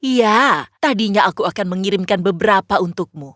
ya tadinya aku akan mengirimkan beberapa untukmu